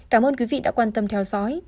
cảm ơn quý vị đã quan tâm theo dõi